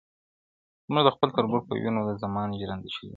زموږ د خپل تربور په وینو د زمان ژرنده چلیږي -